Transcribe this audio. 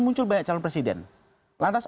muncul banyak calon presiden lantas